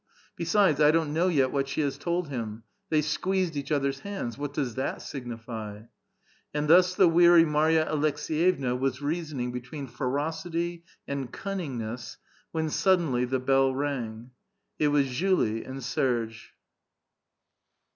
Besides, I don't know yet what she has told him ; they squeezed each other's hands ; what does that signify ?" And thus the weary IMarya Aleks^yevna was reasoning between ferocity and cunningness, when suddenly the beU rang. It was Julie and Serge.